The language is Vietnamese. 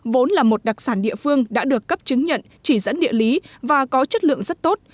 vốn là một đặc sản địa phương đã được cấp chứng nhận chỉ dẫn địa lý và có chất lượng rất tốt